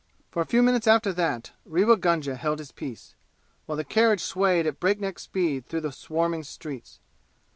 For a few minutes after that Rewa Gunga held his peace, while the carriage swayed at breakneck speed through the swarming streets.